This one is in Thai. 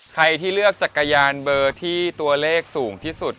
ใครที่เลือกจักรยานเบอร์ที่ตัวเลขสูงที่สุด